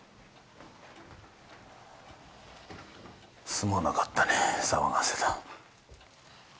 すまなかったね騒がせた。